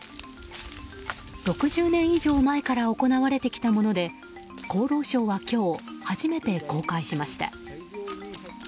６０年以上前から行われてきたもので厚労省は今日初めて公開しました。